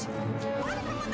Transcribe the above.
mana perempuan tadi